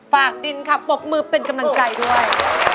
ฝากดินค่ะปรบมือเป็นกำเนินใจด้วย